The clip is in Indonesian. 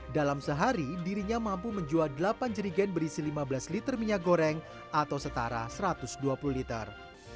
dalam sehari dirinya mampu menjual delapan jerigen berisi lima belas liter minyak goreng atau setara satu ratus dua puluh liter